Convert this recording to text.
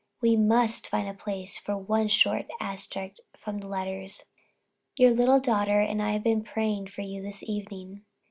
We must find a place for one short extract from the letters. "Your little daughter and I have been praying for you this evening....